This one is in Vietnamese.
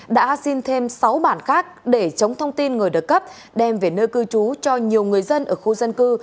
đã xin thêm sáu bản khác để chống thông tin người được cấp đem về nơi cư trú cho nhiều người dân ở khu dân cư